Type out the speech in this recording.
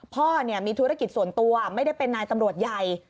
พ่อมีธุรกิจส่วนตัวไม่ได้เป็นนายตำรวจใหญ่